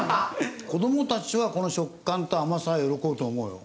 子供たちはこの食感と甘さは喜ぶと思うよ。